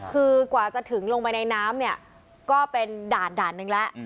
คือกว่าจะถึงลงไปในน้ำก็เป็นด่านหนึ่งแล้ว